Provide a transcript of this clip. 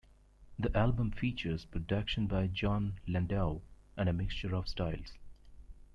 The album features production by Jon Landau and a mixture of styles.